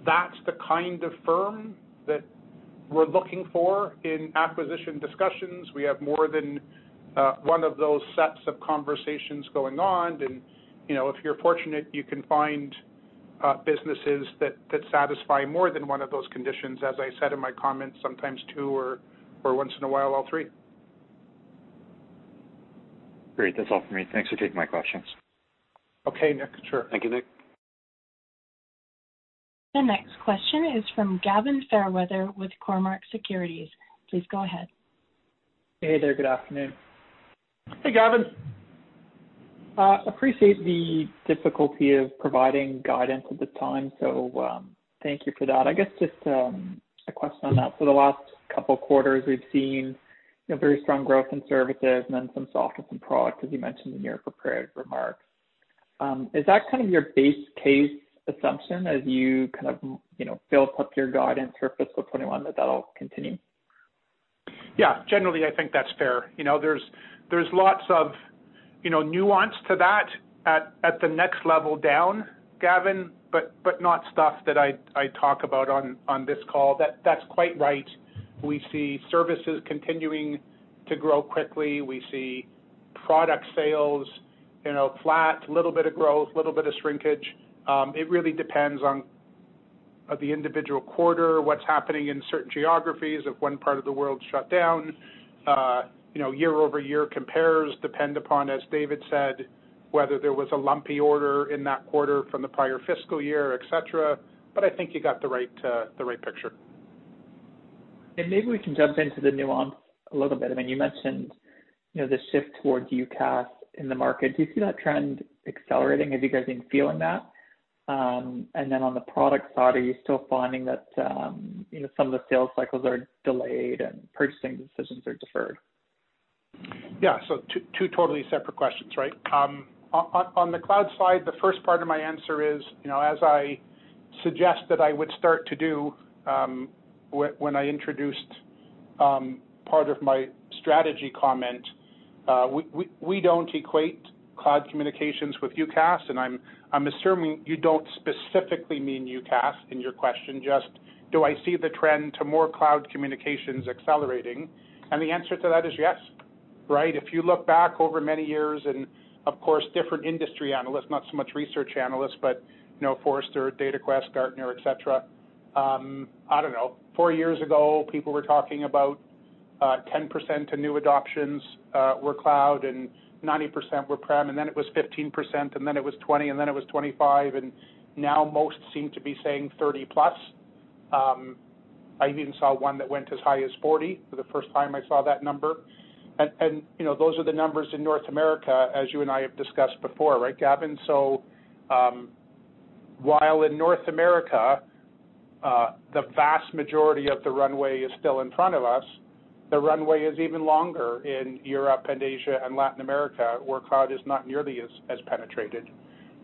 That's the kind of firm that we're looking for in acquisition discussions. We have more than one of those sets of conversations going on, and if you're fortunate, you can find businesses that satisfy more than one of those conditions, as I said in my comments, sometimes two or once in a while, all three. Great. That's all for me. Thanks for taking my questions. Okay, Nick. Sure. Thank you, Nick. The next question is from Gavin Fairweather with Cormark Securities. Please go ahead. Hey there. Good afternoon. Hey, Gavin. Appreciate the difficulty of providing guidance at this time. Thank you for that. I guess just a question on that. The last couple of quarters, we've seen very strong growth in services and then some softness in product, as you mentioned in your prepared remarks. Is that kind of your base case assumption as you kind of build up your guidance for fiscal 2021, that that'll continue? Yeah, generally, I think that's fair. There's lots of nuance to that at the next level down, Gavin, not stuff that I talk about on this call. That's quite right. We see services continuing to grow quickly. We see product sales, flat, little bit of growth, little bit of shrinkage. It really depends on the individual quarter, what's happening in certain geographies, if one part of the world's shut down. Year-over-year compares depend upon, as David said, whether there was a lumpy order in that quarter from the prior fiscal year, et cetera. I think you got the right picture. Maybe we can jump into the nuance a little bit. You mentioned the shift towards UCaaS in the market. Do you see that trend accelerating? Have you guys been feeling that? On the product side, are you still finding that some of the sales cycles are delayed and purchasing decisions are deferred? Yeah. Two totally separate questions, right? On the cloud side, the first part of my answer is, as I suggest that I would start to do when I introduced part of my strategy comment, we don't equate cloud communications with UCaaS, and I'm assuming you don't specifically mean UCaaS in your question, just do I see the trend to more cloud communications accelerating? The answer to that is yes, right. If you look back over many years and, of course, different industry analysts, not so much research analysts, but Forrester, Dataquest, Gartner, et cetera. I don't know. Four years ago, people were talking about 10% to new adoptions were cloud and 90% were prem, and then it was 15%, and then it was 20%, and then it was 25%. Now most seem to be saying 30-plus. I even saw one that went as high as 40% for the first time I saw that number. Those are the numbers in North America, as you and I have discussed before, right, Gavin? While in North America, the vast majority of the runway is still in front of us, the runway is even longer in Europe and Asia and Latin America, where cloud is not nearly as penetrated.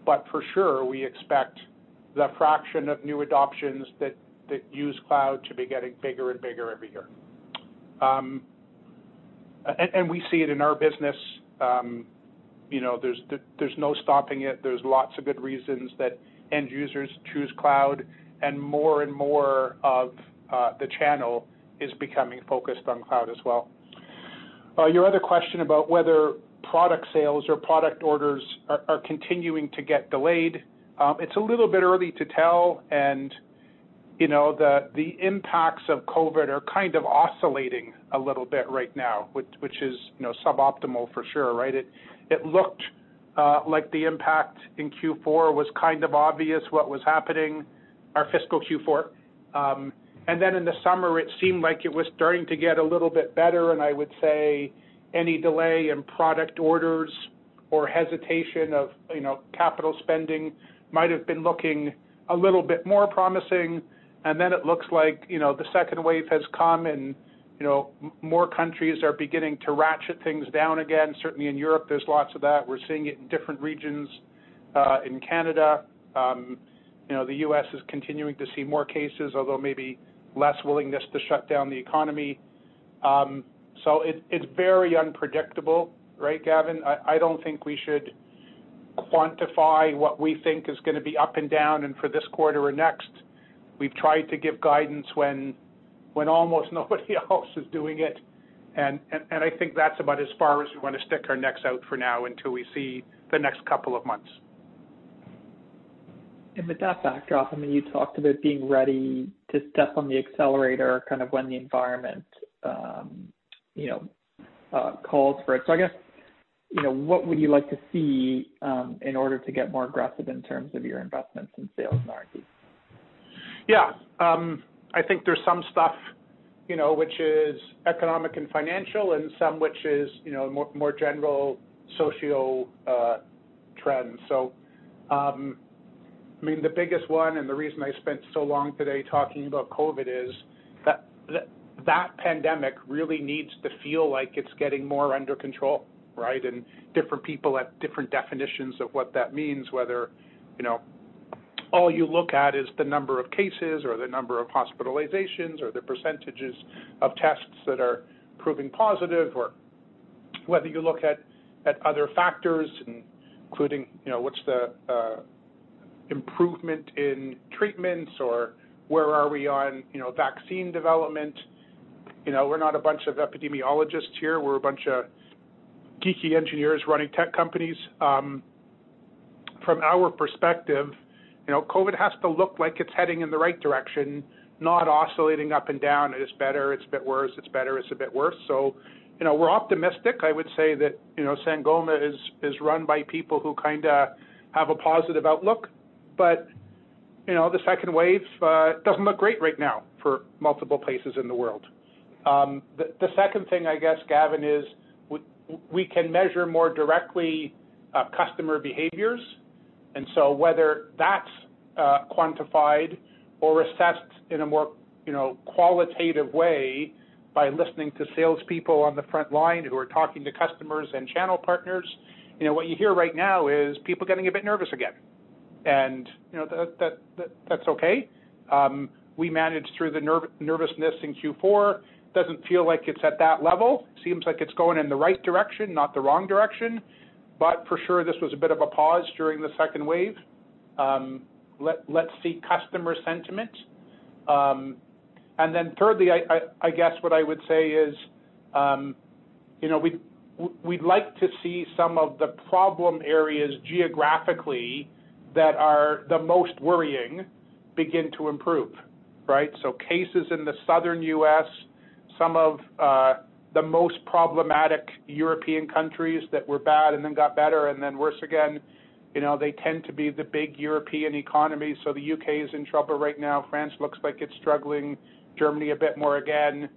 For sure, we expect the fraction of new adoptions that use cloud to be getting bigger and bigger every year. We see it in our business. There's no stopping it. There's lots of good reasons that end users choose cloud, and more and more of the channel is becoming focused on cloud as well. Your other question about whether product sales or product orders are continuing to get delayed. It's a little bit early to tell. The impacts of COVID are kind of oscillating a little bit right now, which is suboptimal for sure, right? It looked like the impact in Q4 was kind of obvious what was happening, our fiscal Q4. In the summer, it seemed like it was starting to get a little bit better, and I would say any delay in product orders or hesitation of capital spending might've been looking a little bit more promising. It looks like the second wave has come. More countries are beginning to ratchet things down again. Certainly in Europe, there's lots of that. We're seeing it in different regions in Canada. The U.S. is continuing to see more cases, although maybe less willingness to shut down the economy. It's very unpredictable, right, Gavin? I don't think we should quantify what we think is going to be up and down and for this quarter or next. We've tried to give guidance when almost nobody else is doing it. I think that's about as far as we want to stick our necks out for now until we see the next couple of months. With that backdrop, you talked about being ready to step on the accelerator kind of when the environment calls for it. I guess, what would you like to see in order to get more aggressive in terms of your investments in sales and R&D? Yeah. I think there's some stuff which is economic and financial and some which is more general socio trends. The biggest one, and the reason I spent so long today talking about COVID is that pandemic really needs to feel like it's getting more under control, right? Different people have different definitions of what that means, whether all you look at is the number of cases or the number of hospitalizations or the percentages of tests that are proving positive, or whether you look at other factors, including what's the improvement in treatments or where are we on vaccine development. We're not a bunch of epidemiologists here. We're a bunch of geeky engineers running tech companies. From our perspective, COVID has to look like it's heading in the right direction, not oscillating up and down. It is better, it's a bit worse, it's better, it's a bit worse. We're optimistic. I would say that Sangoma is run by people who kind of have a positive outlook. The second wave doesn't look great right now for multiple places in the world. The second thing, I guess, Gavin, is we can measure more directly customer behaviors. Whether that's quantified or assessed in a more qualitative way by listening to salespeople on the front line who are talking to customers and channel partners. What you hear right now is people getting a bit nervous again. That's okay. We managed through the nervousness in Q4. Doesn't feel like it's at that level. Seems like it's going in the right direction, not the wrong direction. For sure, this was a bit of a pause during the second wave. Let's see customer sentiment. Thirdly, I guess what I would say is we'd like to see some of the problem areas geographically that are the most worrying begin to improve, right? Cases in the Southern U.S., some of the most problematic European countries that were bad and then got better and then worse again, they tend to be the big European economies. The U.K. is in trouble right now. France looks like it's struggling. Germany a bit more again.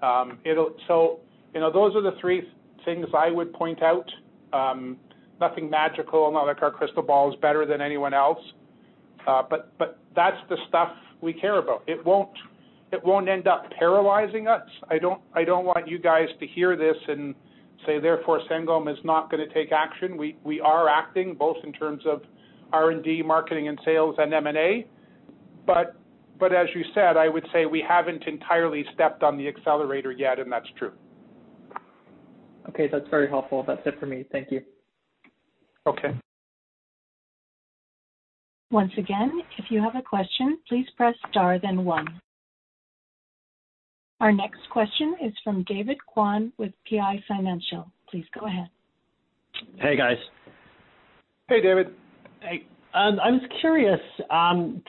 Those are the three things I would point out. Nothing magical, not like our crystal ball is better than anyone else. That's the stuff we care about. It won't end up paralyzing us. I don't want you guys to hear this and say, therefore, Sangoma is not going to take action. We are acting both in terms of R&D, marketing and sales, and M&A. As you said, I would say we haven't entirely stepped on the accelerator yet, and that's true. Okay. That's very helpful. That's it for me. Thank you. Okay. Once again, if you have a question, please press star then one. Our next question is from David Kwan with PI Financial. Please go ahead. Hey, guys. Hey, David. Hey. I was curious,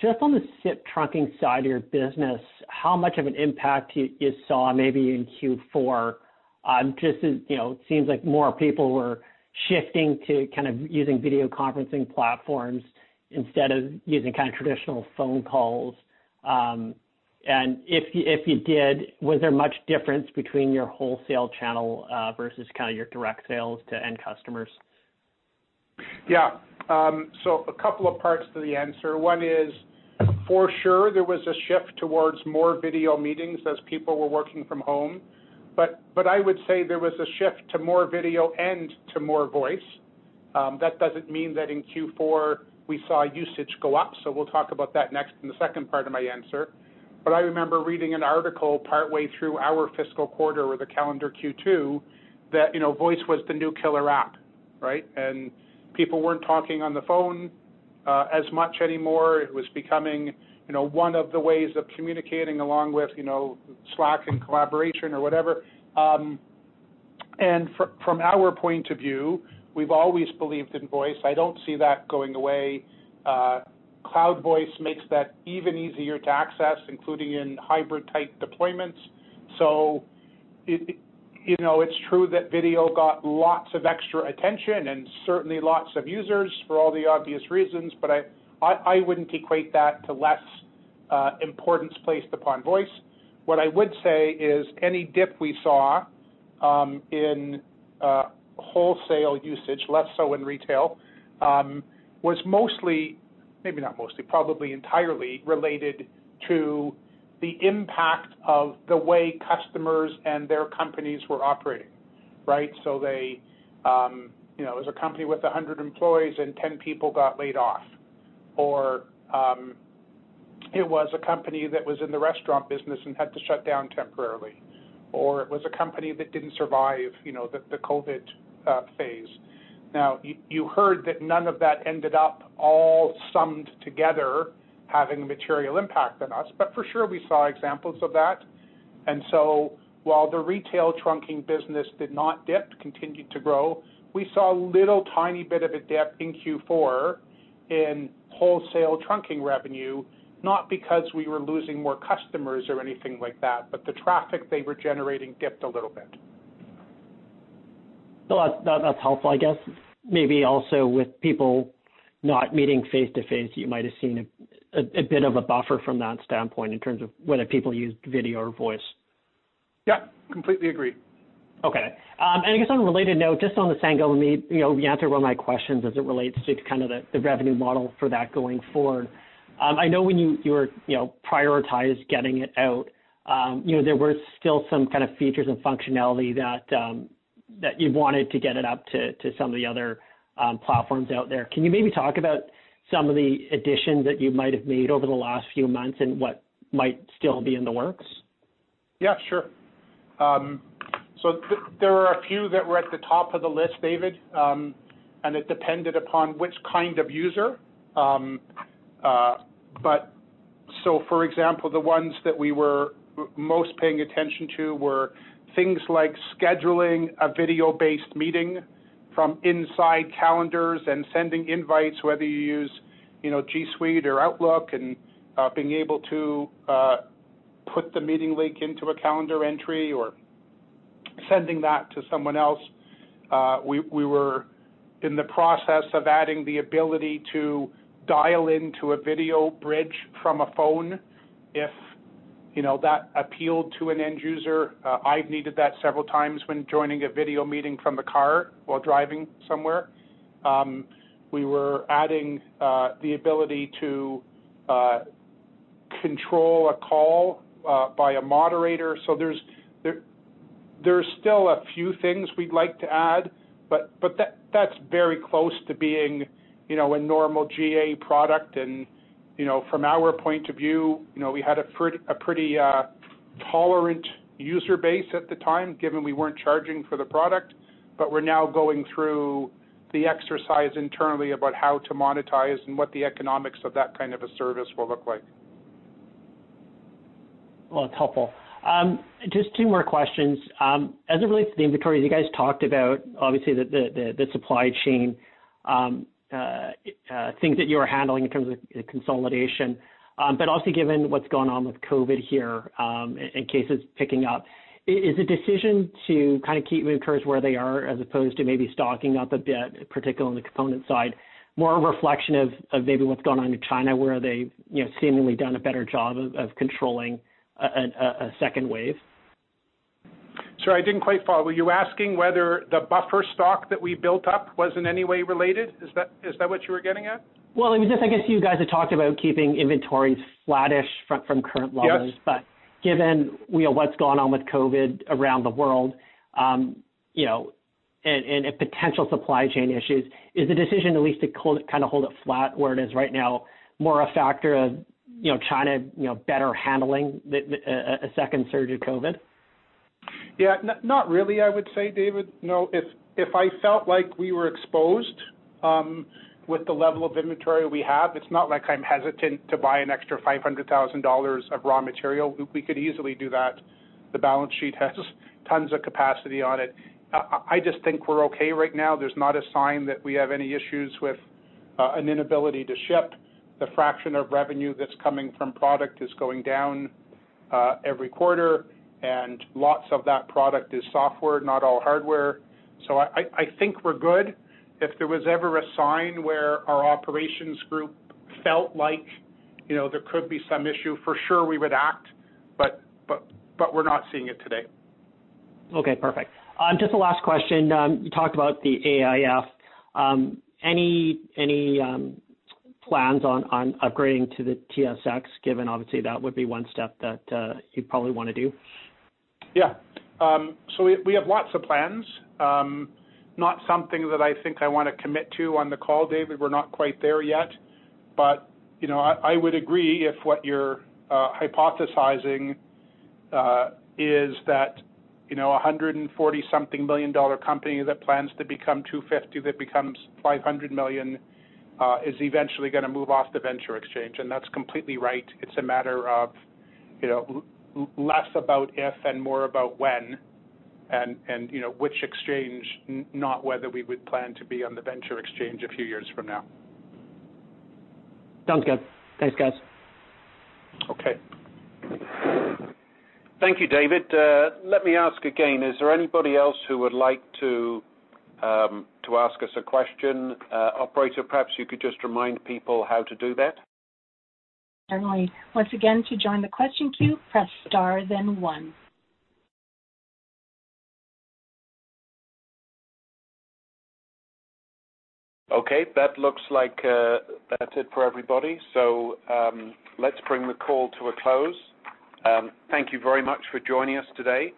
just on the SIP trunking side of your business, how much of an impact you saw maybe in Q4? Just it seems like more people were shifting to kind of using video conferencing platforms instead of using kind of traditional phone calls. If you did, was there much difference between your wholesale channel versus your direct sales to end customers? Yeah. A couple of parts to the answer. One is for sure, there was a shift towards more video meetings as people were working from home. I would say there was a shift to more video and to more voice. That doesn't mean that in Q4 we saw usage go up. We'll talk about that next in the second part of my answer. I remember reading an article partway through our fiscal quarter or the calendar Q2 that voice was the new killer app, right? People weren't talking on the phone as much anymore. It was becoming one of the ways of communicating along with Slack and collaboration or whatever. From our point of view, we've always believed in voice. I don't see that going away. Cloud voice makes that even easier to access, including in hybrid-type deployments. It's true that video got lots of extra attention and certainly lots of users for all the obvious reasons, but I wouldn't equate that to less importance placed upon voice. What I would say is any dip we saw in wholesale usage, less so in retail, was mostly, maybe not mostly, probably entirely related to the impact of the way customers and their companies were operating. Right? It was a company with 100 employees and 10 people got laid off. Or it was a company that was in the restaurant business and had to shut down temporarily. Or it was a company that didn't survive the COVID phase. Now, you heard that none of that ended up all summed together having a material impact on us. For sure, we saw examples of that. While the retail trunking business did not dip, continued to grow, we saw a little tiny bit of a dip in Q4 in wholesale trunking revenue, not because we were losing more customers or anything like that, but the traffic they were generating dipped a little bit. That's helpful, I guess. Maybe also with people not meeting face-to-face, you might have seen a bit of a buffer from that standpoint in terms of whether people used video or voice. Yeah, completely agree. Okay. I guess on a related note, just on the Sangoma Meet, you answered one of my questions as it relates to kind of the revenue model for that going forward. I know when you were prioritized getting it out, there were still some kind of features and functionality that you wanted to get it up to some of the other platforms out there. Can you maybe talk about some of the additions that you might have made over the last few months and what might still be in the works? Yeah, sure. There are a few that were at the top of the list, David, and it depended upon which kind of user. For example, the ones that we were most paying attention to were things like scheduling a video-based meeting from inside calendars and sending invites, whether you use G Suite or Outlook, and being able to put the meeting link into a calendar entry or sending that to someone else. We were in the process of adding the ability to dial into a video bridge from a phone if that appealed to an end user. I've needed that several times when joining a video meeting from the car while driving somewhere. We were adding the ability to control a call by a moderator. There's still a few things we'd like to add, but that's very close to being a normal GA product. From our point of view, we had a pretty tolerant user base at the time, given we weren't charging for the product. We're now going through the exercise internally about how to monetize and what the economics of that kind of a service will look like. Well, it's helpful. Just two more questions. As it relates to the inventory, you guys talked about, obviously, the supply chain, things that you are handling in terms of consolidation. Also given what's gone on with COVID here, and cases picking up, is the decision to kind of keep your inventories where they are, as opposed to maybe stocking up a bit, particularly on the component side, more a reflection of maybe what's gone on in China, where they've seemingly done a better job of controlling a second wave? Sorry, I didn't quite follow. Were you asking whether the buffer stock that we built up was in any way related? Is that what you were getting at? It was just, I guess you guys had talked about keeping inventories flattish from current levels. Yes. Given what's gone on with COVID around the world, and potential supply chain issues, is the decision at least to kind of hold it flat where it is right now more a factor of China better handling a second surge of COVID? Yeah. Not really, I would say, David. No. If I felt like we were exposed with the level of inventory we have, it's not like I'm hesitant to buy an extra 500,000 dollars of raw material. We could easily do that. The balance sheet has tons of capacity on it. I just think we're okay right now. There's not a sign that we have any issues with an inability to ship. The fraction of revenue that's coming from product is going down every quarter. Lots of that product is software, not all hardware. I think we're good. If there was ever a sign where our operations group felt like there could be some issue, for sure we would act, but we're not seeing it today. Okay, perfect. Just a last question. You talked about the AIF. Any plans on upgrading to the TSX, given obviously that would be one step that you'd probably want to do? Yeah. We have lots of plans. Not something that I think I want to commit to on the call, David. We're not quite there yet. But I would agree if what you're hypothesizing is that 140 something million company that plans to become 250, that becomes 500 million, is eventually going to move off the Venture Exchange. That's completely right. It's a matter of less about if and more about when and which exchange, not whether we would plan to be on the Venture Exchange a few years from now. Sounds good. Thanks, guys. Okay. Thank you, David. Let me ask again, is there anybody else who would like to ask us a question? Operator, perhaps you could just remind people how to do that. Certainly. Once again, to join the question queue, press star then one. That looks like that's it for everybody. Let's bring the call to a close. Thank you very much for joining us today.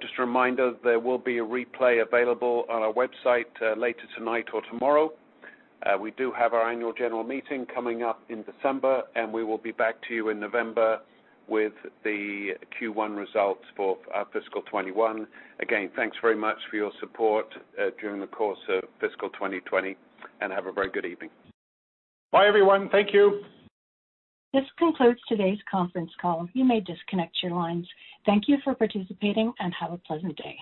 Just a reminder, there will be a replay available on our website later tonight or tomorrow. We do have our annual general meeting coming up in December, and we will be back to you in November with the Q1 results for our fiscal 2021. Thanks very much for your support during the course of fiscal 2020, and have a very good evening. Bye, everyone. Thank you. This concludes today's conference call. You may disconnect your lines. Thank you for participating, and have a pleasant day.